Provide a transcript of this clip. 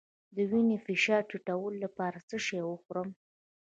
د وینې فشار ټیټولو لپاره څه شی وخورم؟